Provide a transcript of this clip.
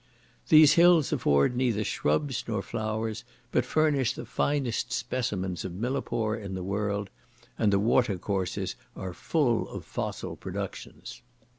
These hills afford neither shrubs nor flowers, but furnish the finest specimens of millepore in the world; and the water courses are full of fossil productions.